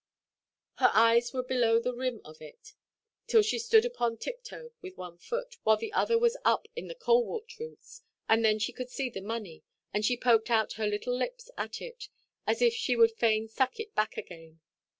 Her eyes were below the rim of it, till she stood upon tiptoe with one foot, while the other was up in the colewort roots, and then she could see the money, and she poked out her little lips at it, as if she would fain suck it back again.